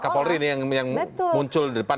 melaka polri nih yang muncul di depan